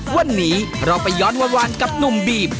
วันนี้เราไปย้อนวานกับหนุ่มบีบ